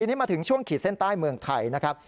ทีนี้มาถึงช่วงขีดเส้นใต้เมืองไทยนะครับ